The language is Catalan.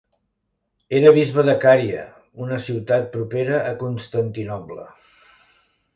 Era bisbe de Cària, una ciutat propera a Constantinoble.